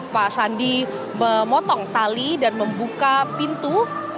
pak sandi memotong tali dan membuka pintu